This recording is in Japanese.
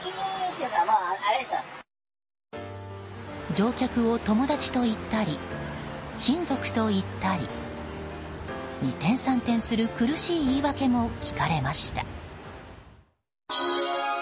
乗客を友達と言ったり親族と言ったり二転三転する苦しい言い訳も聞かれました。